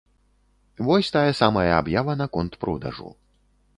Вось тая самая аб'ява наконт продажу.